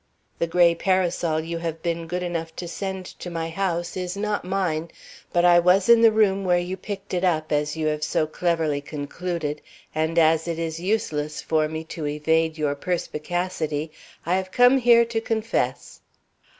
The gray parasol you have been good enough to send to my house is not mine, but I was in the room where you picked it up, as you have so cleverly concluded, and as it is useless for me to evade your perspicacity, I have come here to confess."